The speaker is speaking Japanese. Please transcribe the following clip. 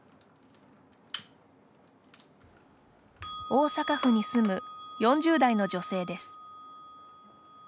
大阪府に住む４０代の女性です。